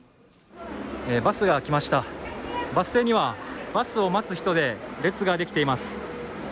バスが来ましたバス停にはバスを待つ人で列ができています